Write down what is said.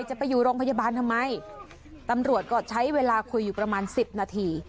จะไปอยู่โรงพยาบาลทำไมตำรวจก็ใช้เวลาคุยอยู่ประมาณสิบนาที